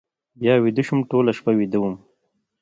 بیا ویده شوم، ټوله شپه ویده وم.